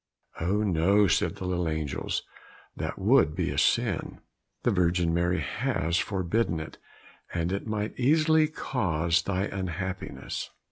"Oh no," said the little angels, "that would be a sin. The Virgin Mary has forbidden it, and it might easily cause thy unhappiness."